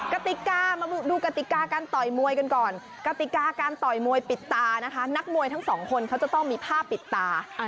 กติกามาดูกติกาการต่อยมวยกันก่อนกติกาการต่อยมวยปิดตานะคะนักมวยทั้งสองคนเขาจะต้องมีผ้าปิดตา